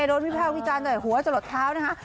โดนพี่เภ่าพี่จันแต่หัวจะหลดเท้านะคะ